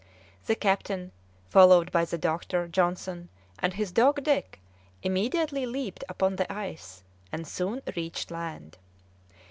The captain, followed by the doctor, Johnson, and his dog Dick, immediately leaped upon the ice, and soon reached land.